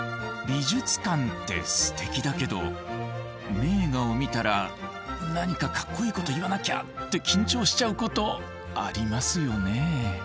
美術館ってすてきだけど名画を見たら何かかっこいいこと言わなきゃって緊張しちゃうことありますよね。